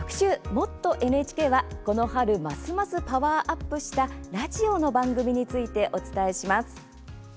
「もっとＮＨＫ」はこの春ますますパワーアップしたラジオの番組についてお伝えします。